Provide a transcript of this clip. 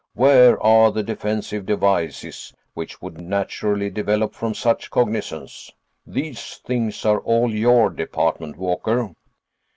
Where are the defensive devices which would naturally develop from such cognizance? These things are all your department, Walker."